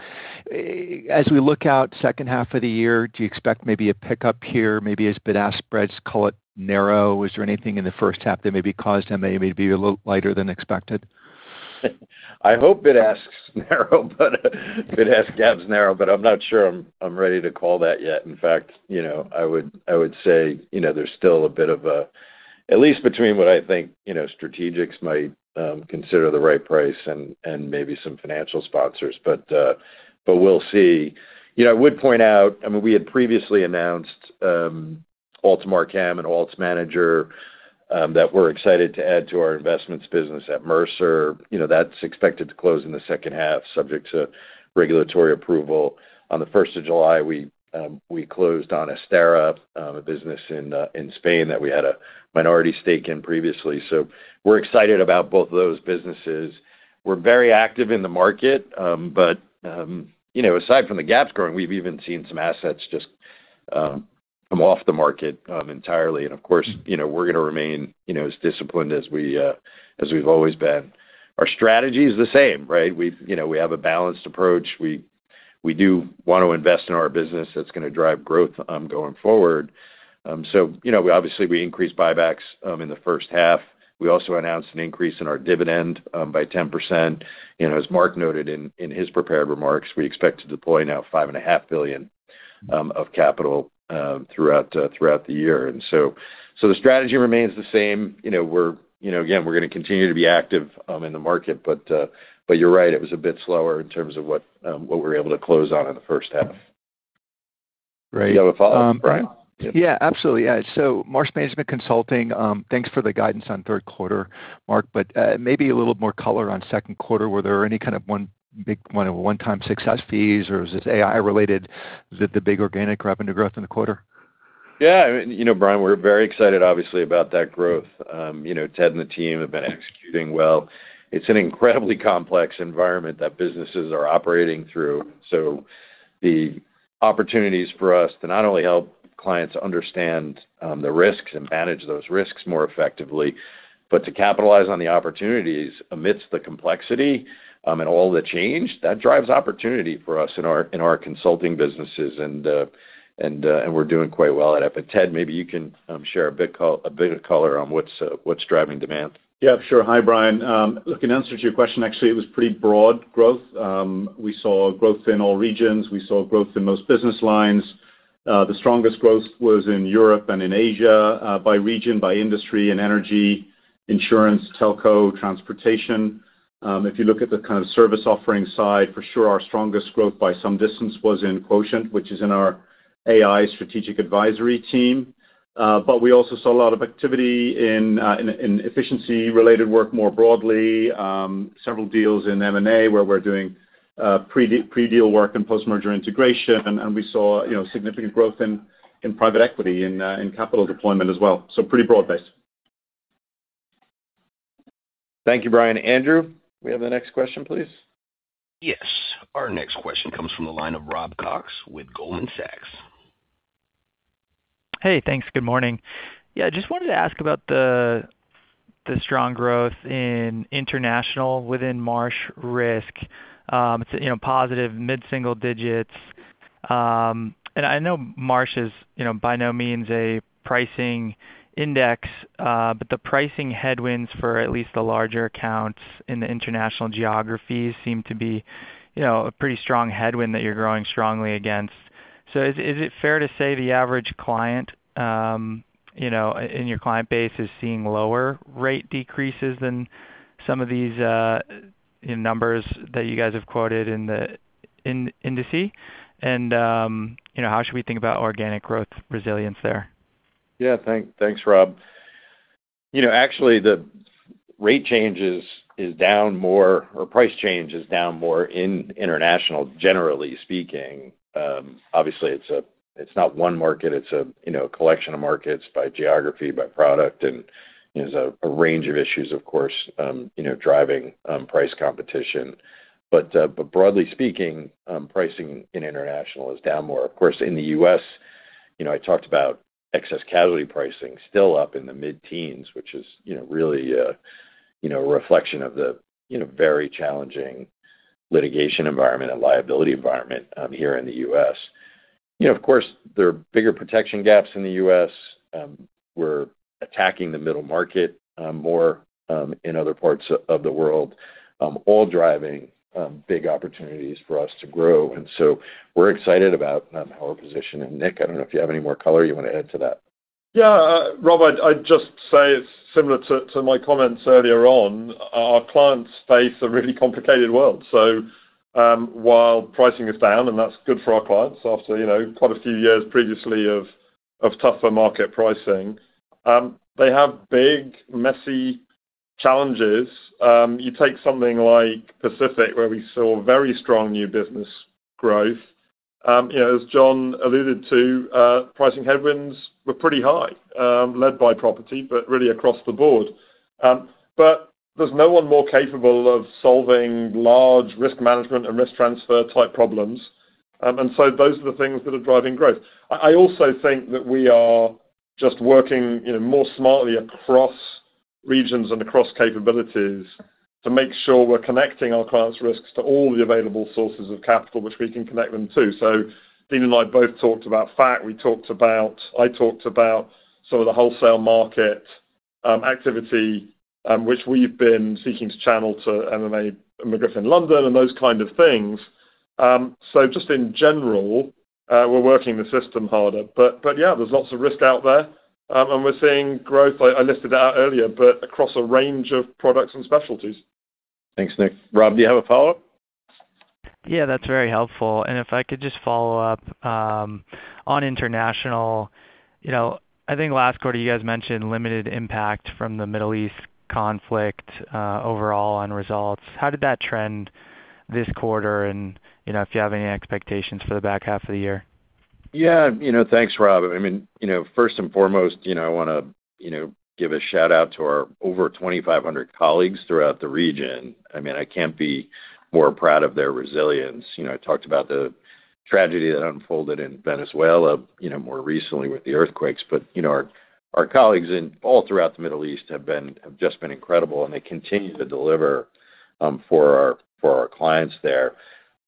As we look out second half of the year, do you expect maybe a pickup here, maybe as bid-ask spreads, call it, narrow? Is there anything in the first half that maybe caused M&A maybe to be a little lighter than expected? I hope bid-ask gaps narrow, but I'm not sure I'm ready to call that yet. In fact, I would say there's still a bit of a at least between what I think strategics might consider the right price and maybe some financial sponsors, but we'll see. I would point out, we had previously announced AltamarCAM and Alts Manager that we're excited to add to our investments business at Mercer. That's expected to close in the second half, subject to regulatory approval. On the 1st of July, we closed on Asterra, a business in Spain that we had a minority stake in previously. We're excited about both of those businesses. We're very active in the market, but aside from the gaps growing, we've even seen some assets just come off the market entirely. Of course, we're going to remain as disciplined as we've always been. Our strategy is the same, right? We have a balanced approach. We do want to invest in our business. That's going to drive growth going forward. Obviously, we increased buybacks in the first half. We also announced an increase in our dividend by 10%. As Mark noted in his prepared remarks, we expect to deploy now $5.5 billion of capital throughout the year. The strategy remains the same. Again, we're going to continue to be active in the market, you're right, it was a bit slower in terms of what we were able to close on in the first half. Right. You have a follow-up, Brian? Marsh Management Consulting, thanks for the guidance on third quarter, Mark. Maybe a little more color on second quarter. Were there any kind of big one-time success fees, or is this AI related? Is it the big organic revenue growth in the quarter? Yeah. Brian, we're very excited obviously about that growth. Ted and the team have been executing well. It's an incredibly complex environment that businesses are operating through. The opportunities for us to not only help clients understand the risks and manage those risks more effectively, but to capitalize on the opportunities amidst the complexity and all the change, that drives opportunity for us in our consulting businesses. We're doing quite well at it. Ted, maybe you can share a bit of color on what's driving demand. Yeah, sure. Hi, Brian. Look, in answer to your question, actually, it was pretty broad growth. We saw growth in all regions. We saw growth in most business lines. The strongest growth was in Europe and in Asia, by region, by industry, in energy, insurance, telco, transportation. If you look at the kind of service offering side, for sure, our strongest growth by some distance was in Quotient, which is in our AI strategic advisory team. We also saw a lot of activity in efficiency-related work more broadly. Several deals in M&A where we're doing pre-deal work and post-merger integration. We saw significant growth in private equity, in capital deployment as well. Pretty broad-based. Thank you, Brian. Andrew, can we have the next question, please? Yes. Our next question comes from the line of Rob Cox with Goldman Sachs. Hey, thanks. Good morning. Yeah, just wanted to ask about the strong growth in international within Marsh Risk. It's positive mid-single digits. I know Marsh is by no means a pricing index, but the pricing headwinds for at least the larger accounts in the international geographies seem to be a pretty strong headwind that you're growing strongly against. Is it fair to say the average client in your client base is seeing lower rate decreases than some of these numbers that you guys have quoted in indices? How should we think about organic growth resilience there? Yeah. Thanks, Rob. Actually, the rate change is down more, or price change is down more in international, generally speaking. Obviously, it's not one market, it's a collection of markets by geography, by product, and there's a range of issues, of course, driving price competition. Broadly speaking, pricing in international is down more. Of course, in the U.S., I talked about excess casualty pricing still up in the mid-teens, which is really a reflection of the very challenging litigation environment and liability environment here in the U.S. Of course, there are bigger protection gaps in the U.S. We're attacking the middle market more in other parts of the world. All driving big opportunities for us to grow. We're excited about our position. Nick, I don't know if you have any more color you want to add to that. Yeah. Rob, I'd just say it's similar to my comments earlier on. Our clients face a really complicated world. While pricing is down, that's good for our clients after quite a few years previously of tougher market pricing. They have big, messy challenges. You take something like Pacific, where we saw very strong new business growth. As John alluded to, pricing headwinds were pretty high, led by property, but really across the board. There's no one more capable of solving large risk management and risk transfer type problems. Those are the things that are driving growth. I also think that we are just working more smartly across regions and across capabilities to make sure we're connecting our clients' risks to all the available sources of capital which we can connect them to. Dean and I both talked about Fac. I talked about some of the wholesale market activity, which we've been seeking to channel to MMA McGriff in London and those kind of things. Just in general, we're working the system harder. Yeah, there's lots of risk out there, and we're seeing growth, I listed it out earlier, but across a range of products and specialties. Thanks, Nick. Rob, do you have a follow-up? Yeah, that's very helpful. If I could just follow up on international. I think last quarter you guys mentioned limited impact from the Middle East conflict overall on results. How did that trend this quarter, and if you have any expectations for the back half of the year? Yeah. Thanks, Rob. First and foremost, I want to give a shout-out to our over 2,500 colleagues throughout the region. I can't be more proud of their resilience. I talked about the tragedy that unfolded in Venezuela more recently with the earthquakes. Our colleagues all throughout the Middle East have just been incredible, and they continue to deliver for our clients there.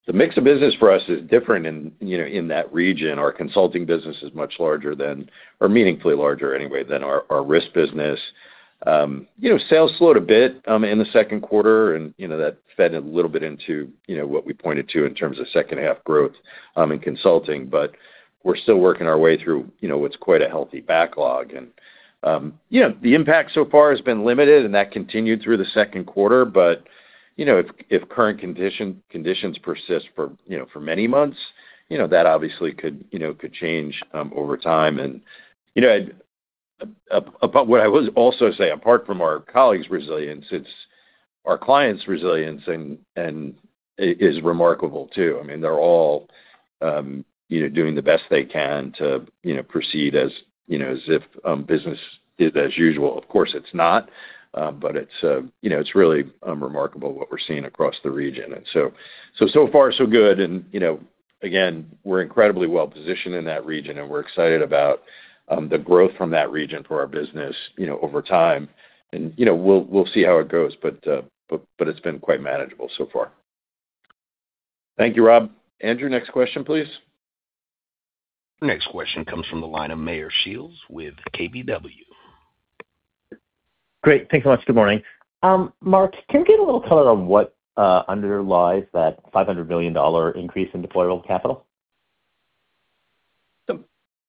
The mix of business for us is different in that region. Our consulting business is much larger than, or meaningfully larger anyway, than our risk business. Sales slowed a bit in the second quarter, that fed a little bit into what we pointed to in terms of second half growth in consulting. We're still working our way through what's quite a healthy backlog. The impact so far has been limited, and that continued through the second quarter. If current conditions persist for many months, that obviously could change over time. What I would also say, apart from our colleagues' resilience, it's our clients' resilience is remarkable too. They're all doing the best they can to proceed as if business is as usual. Of course, it's not. It's really remarkable what we're seeing across the region. So far so good. Again, we're incredibly well-positioned in that region, and we're excited about the growth from that region for our business over time. We'll see how it goes, but it's been quite manageable so far. Thank you, Rob. Andrew, next question, please. Next question comes from the line of Meyer Shields with KBW. Great. Thanks so much. Good morning. Mark, can we get a little color on what underlies that $500 million increase in deployable capital?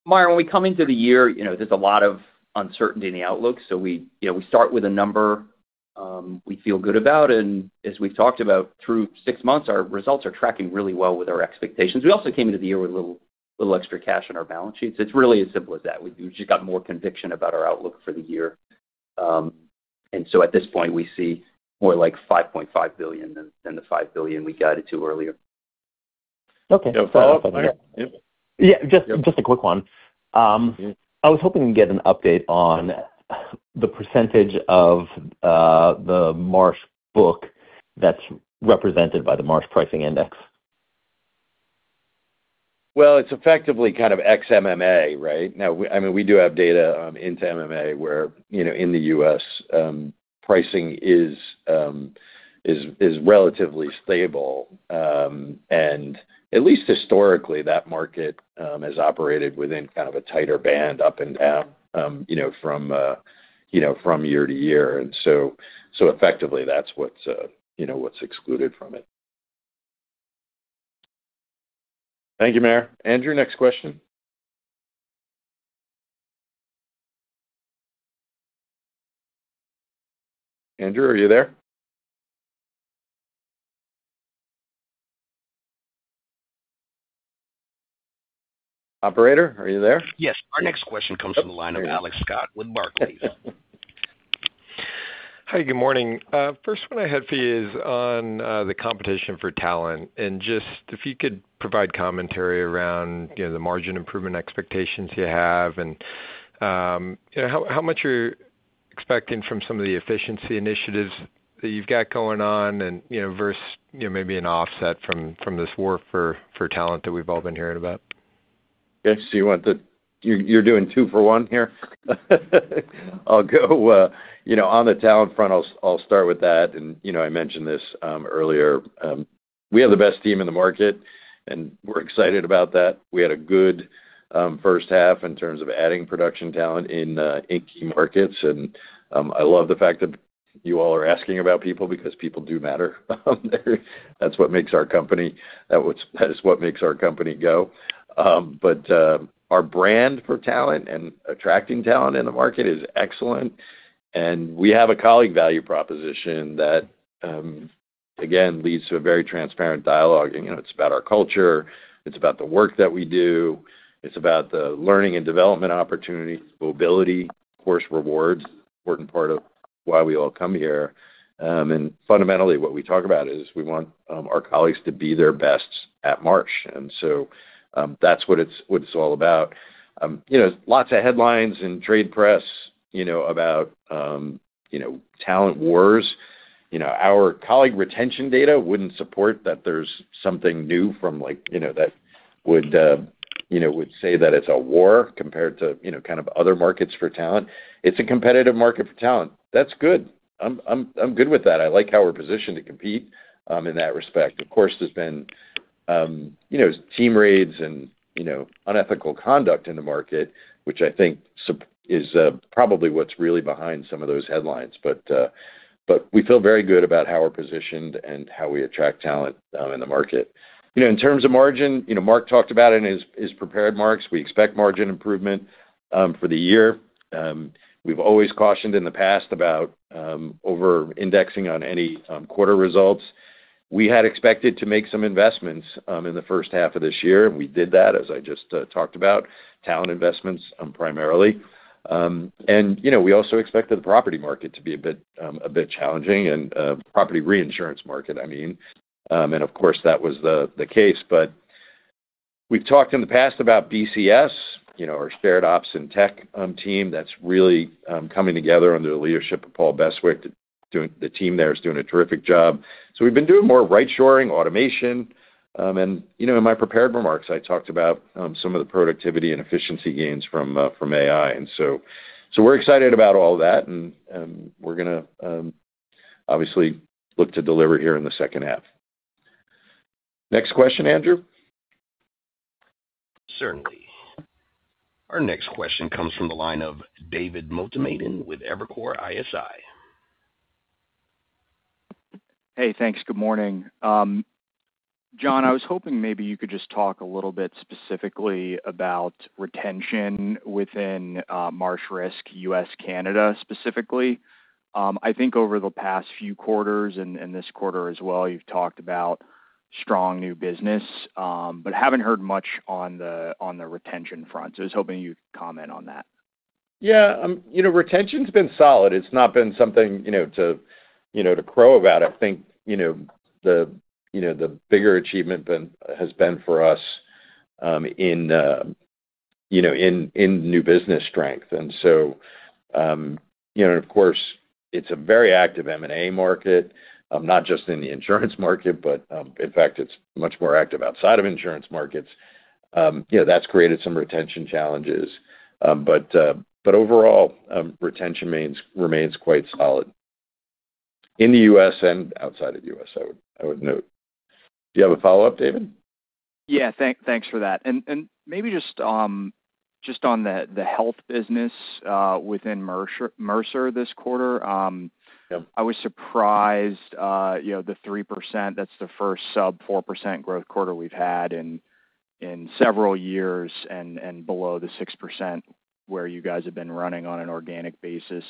Meyer, when we come into the year, there's a lot of uncertainty in the outlook. We start with a number we feel good about, and as we've talked about through six months, our results are tracking really well with our expectations. We also came into the year with a little extra cash on our balance sheets. It's really as simple as that. We just got more conviction about our outlook for the year. At this point, we see more like $5.5 billion than the $5 billion we guided to earlier. Okay. Follow-up on that? Yep. Yeah, just a quick one. I was hoping to get an update on the percentage of the Marsh book that's represented by the Marsh Pricing Index. Well, it's effectively kind of ex MMA. Now, we do have data into MMA where in the U.S., pricing is relatively stable. At least historically, that market has operated within kind of a tighter band up and down from year to year. Effectively, that's what's excluded from it. Thank you, Meyer. Andrew, next question. Andrew, are you there? Operator, are you there? Yes. Our next question comes from the line of Alex Scott with Barclays. Hi, good morning. Just if you could provide commentary around the margin improvement expectations you have and how much you're expecting from some of the efficiency initiatives that you've got going on versus maybe an offset from this war for talent that we've all been hearing about. Yes. You're doing two for one here? On the talent front, I'll start with that, and I mentioned this earlier. We have the best team in the market, and we're excited about that. We had a good first half in terms of adding production talent in key markets, and I love the fact that you all are asking about people because people do matter out there. That is what makes our company go. Our brand for talent and attracting talent in the market is excellent, and we have a colleague value proposition that, again, leads to a very transparent dialogue. It's about our culture. It's about the work that we do. It's about the learning and development opportunities, mobility, of course, rewards, important part of why we all come here. Fundamentally, what we talk about is we want our colleagues to be their best at Marsh. That's what it's all about. Lots of headlines in trade press about talent wars. Our colleague retention data wouldn't support that there's something new that would say that it's a war compared to other markets for talent. It's a competitive market for talent. That's good. I'm good with that. I like how we're positioned to compete in that respect. Of course, there's been team raids and unethical conduct in the market, which I think is probably what's really behind some of those headlines. We feel very good about how we're positioned and how we attract talent in the market. In terms of margin, Mark talked about it in his prepared marks. We expect margin improvement for the year. We've always cautioned in the past about over-indexing on any quarter results. We had expected to make some investments in the first half of this year, we did that, as I just talked about, talent investments primarily. We also expected the property market to be a bit challenging, property reinsurance market, I mean. Of course, that was the case. We've talked in the past about BCS, our shared ops and tech team that's really coming together under the leadership of Paul Beswick. The team there is doing a terrific job. We've been doing more right shoring automation. In my prepared remarks, I talked about some of the productivity and efficiency gains from AI. We're excited about all that, and we're going to obviously look to deliver here in the second half. Next question, Andrew. Certainly. Our next question comes from the line of David Motemaden with Evercore ISI. Hey, thanks. Good morning. John, I was hoping maybe you could just talk a little bit specifically about retention within Marsh Risk, U.S., Canada, specifically. I think over the past few quarters, this quarter as well, you've talked about strong new business, but haven't heard much on the retention front. I was hoping you'd comment on that. Yeah. Retention's been solid. It's not been something to crow about. I think the bigger achievement has been for us in new business strength. Of course, it's a very active M&A market, not just in the insurance market, but in fact, it's much more active outside of insurance markets. That's created some retention challenges. Overall, retention remains quite solid in the U.S. and outside of U.S., I would note. Do you have a follow-up, David? Yeah. Thanks for that. Maybe just on the health business within Mercer this quarter. Yep. I was surprised, the 3%, that's the first sub 4% growth quarter we've had in several years, below the 6% where you guys have been running on an organic basis.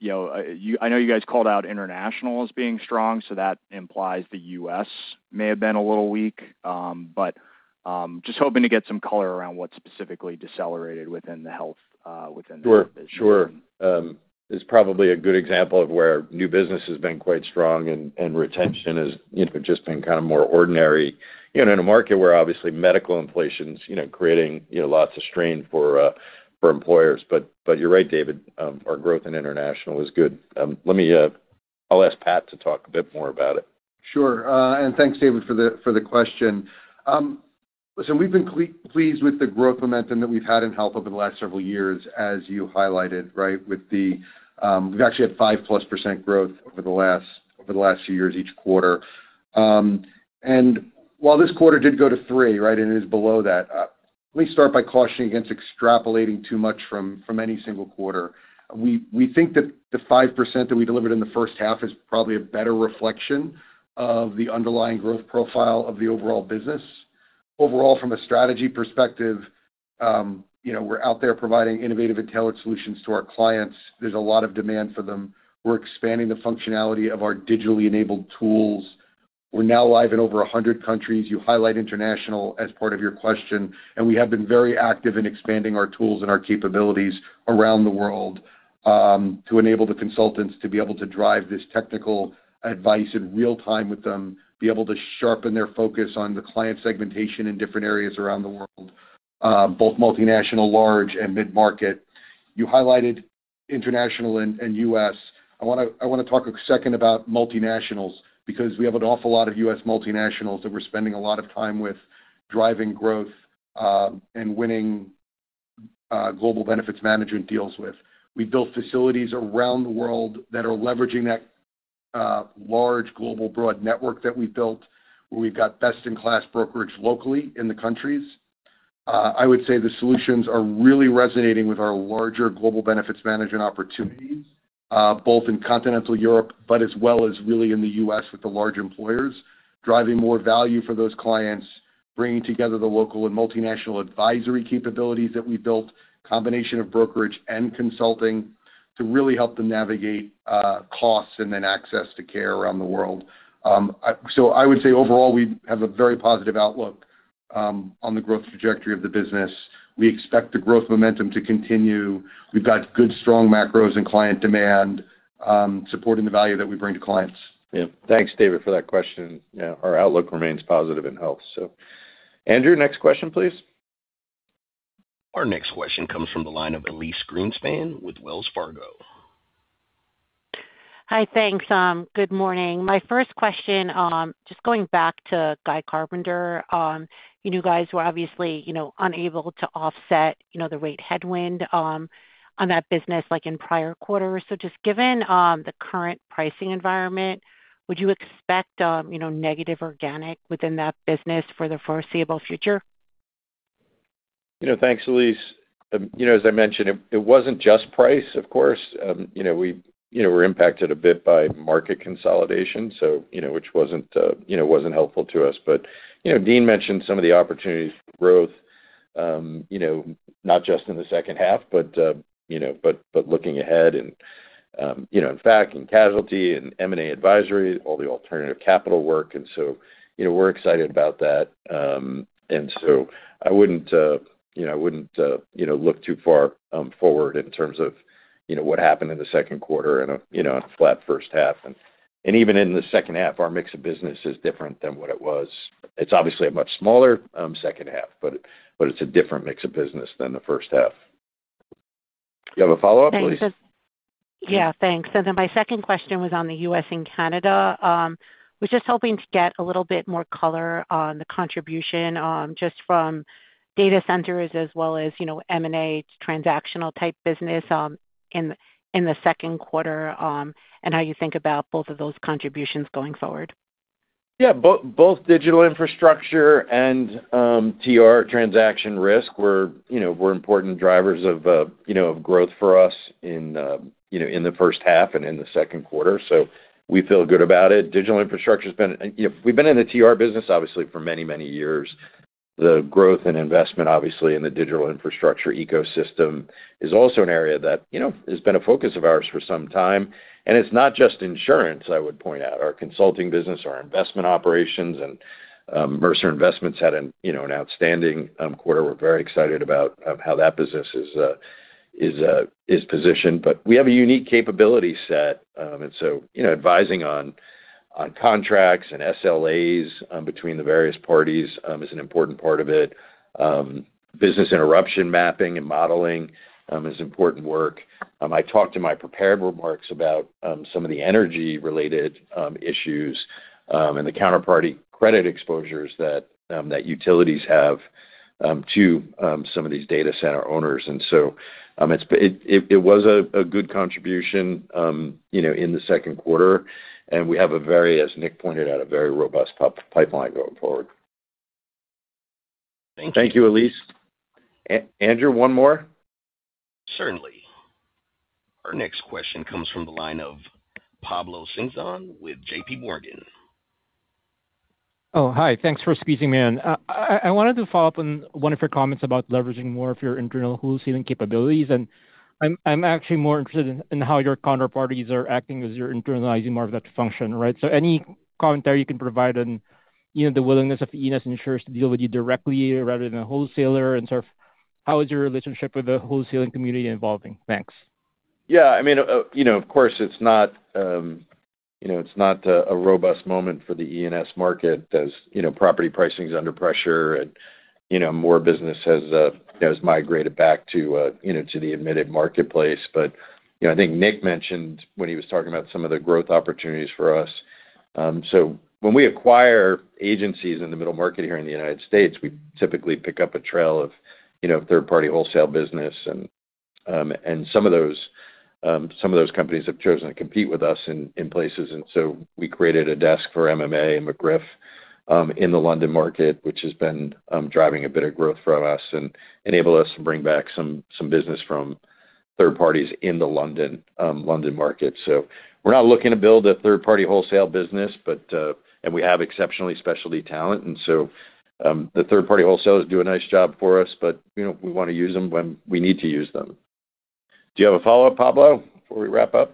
I know you guys called out international as being strong, that implies the U.S. may have been a little weak. Just hoping to get some color around what specifically decelerated within the health business. Sure. It's probably a good example of where new business has been quite strong and retention has just been kind of more ordinary in a market where obviously medical inflation's creating lots of strain for employers. You're right, David, our growth in international is good. I'll ask Pat to talk a bit more about it. Sure. Thanks, David, for the question. Listen, we've been pleased with the growth momentum that we've had in health over the last several years, as you highlighted, right? We've actually had five-plus percent growth over the last few years each quarter. While this quarter did go to three, right, and it is below that, let me start by cautioning against extrapolating too much from any single quarter. We think that the 5% that we delivered in the first half is probably a better reflection of the underlying growth profile of the overall business. Overall, from a strategy perspective, we're out there providing innovative and tailored solutions to our clients. There's a lot of demand for them. We're expanding the functionality of our digitally enabled tools. We're now live in over 100 countries. You highlight international as part of your question, and we have been very active in expanding our tools and our capabilities around the world, to enable the consultants to be able to drive this technical advice in real time with them, be able to sharpen their focus on the client segmentation in different areas around the world, both multinational, large and mid-market. You highlighted international and U.S. I want to talk a second about multinationals, because we have an awful lot of U.S. multinationals that we're spending a lot of time with driving growth, and winning global benefits management deals with. We built facilities around the world that are leveraging that large global broad network that we built, where we've got best-in-class brokerage locally in the countries. I would say the solutions are really resonating with our larger global benefits management opportunities, both in continental Europe but as well as really in the U.S. with the large employers, driving more value for those clients, bringing together the local and multinational advisory capabilities that we built, combination of brokerage and consulting to really help them navigate costs and then access to care around the world. I would say overall, we have a very positive outlook on the growth trajectory of the business. We expect the growth momentum to continue. We've got good, strong macros and client demand, supporting the value that we bring to clients. Thanks, David, for that question. Our outlook remains positive in health. Andrew, next question, please. Our next question comes from the line of Elyse Greenspan with Wells Fargo. Hi, thanks. Good morning. My first question, just going back to Guy Carpenter. You guys were obviously unable to offset the rate headwind on that business like in prior quarters. Just given the current pricing environment, would you expect negative organic within that business for the foreseeable future? Thanks, Elyse. As I mentioned, it wasn't just price, of course. We're impacted a bit by market consolidation, which wasn't helpful to us. Dean mentioned some of the opportunities for growth, not just in the second half, but looking ahead and in fact, in casualty, in M&A advisory, all the alternative capital work. We're excited about that. I wouldn't look too far forward in terms of what happened in the second quarter and a flat first half. Even in the second half, our mix of business is different than what it was. It's obviously a much smaller second half, but it's a different mix of business than the first half. Do you have a follow-up, Elyse? Yeah, thanks. My second question was on the U.S. and Canada. I was just hoping to get a little bit more color on the contribution, just from data centers as well as M&A transactional type business in the second quarter, and how you think about both of those contributions going forward. Yeah. Both digital infrastructure and TR, transaction risk, were important drivers of growth for us in the first half and in the second quarter. We feel good about it. We've been in the TR business, obviously for many, many years. The growth and investment, obviously in the digital infrastructure ecosystem is also an area that has been a focus of ours for some time. It's not just insurance, I would point out. Our consulting business, our investment operations, and Mercer Investments had an outstanding quarter. We're very excited about how that business is positioned. We have a unique capability set, advising on contracts and SLAs between the various parties is an important part of it. Business interruption mapping and modeling is important work. I talked in my prepared remarks about some of the energy-related issues, and the counterparty credit exposures that utilities have to some of these data center owners. It was a good contribution in the second quarter, and we have, as Nick pointed out, a very robust pipeline going forward. Thank you. Thank you, Elyse. Andrew, one more? Certainly. Our next question comes from the line of Pablo Singzon with JPMorgan. Oh, hi. Thanks for squeezing me in. I wanted to follow up on one of your comments about leveraging more of your internal wholesaling capabilities, and I'm actually more interested in how your counterparties are acting as you're internalizing more of that function, right? Any commentary you can provide on the willingness of E&S insurers to deal with you directly or rather than a wholesaler, and sort of how is your relationship with the wholesaling community evolving? Thanks. Yeah. Of course, it's not a robust moment for the E&S market, as property pricing is under pressure and more business has migrated back to the admitted marketplace. I think Nick mentioned when he was talking about some of the growth opportunities for us. When we acquire agencies in the middle market here in the United States, we typically pick up a trail of third-party wholesale business. Some of those companies have chosen to compete with us in places. We created a desk for MMA and McGriff in the London market, which has been driving a bit of growth from us and enable us to bring back some business from third parties in the London market. We're not looking to build a third-party wholesale business, and we have exceptionally specialty talent. The third-party wholesalers do a nice job for us, but we want to use them when we need to use them. Do you have a follow-up, Pablo, before we wrap up?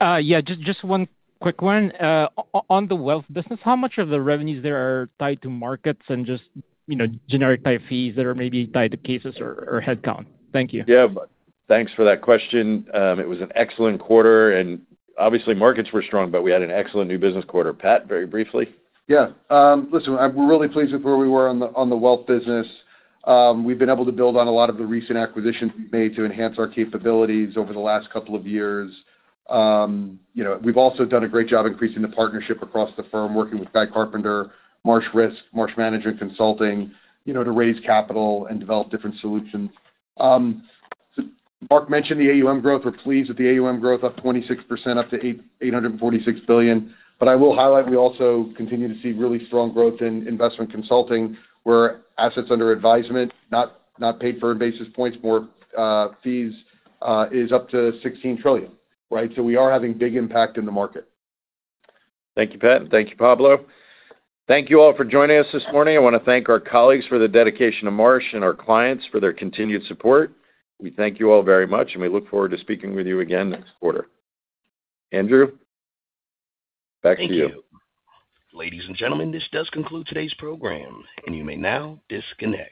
Yeah, just one quick one. On the wealth business, how much of the revenues there are tied to markets and just generic type fees that are maybe tied to cases or headcount? Thank you. Yeah. Thanks for that question. It was an excellent quarter and obviously markets were strong, but we had an excellent new business quarter. Pat, very briefly. Yeah. Listen, I'm really pleased with where we were on the wealth business. We've been able to build on a lot of the recent acquisitions we've made to enhance our capabilities over the last couple of years. We've also done a great job increasing the partnership across the firm, working with Guy Carpenter, Marsh Risk, Marsh Management Consulting, to raise capital and develop different solutions. Mark mentioned the AUM growth. We're pleased with the AUM growth, up 26%, up to $846 billion. I will highlight, we also continue to see really strong growth in investment consulting, where assets under advisement, not paid for in basis points, more fees, is up to $16 trillion. Right? We are having big impact in the market. Thank you, Pat. Thank you, Pablo. Thank you all for joining us this morning. I want to thank our colleagues for the dedication to Marsh and our clients for their continued support. We thank you all very much. We look forward to speaking with you again next quarter. Andrew, back to you. Thank you. Ladies and gentlemen, this does conclude today's program. You may now disconnect.